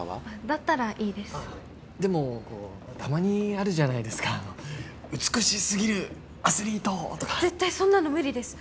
だったらいいですああでもこうたまにあるじゃないですか美しすぎるアスリート！とか絶対そんなの無理です！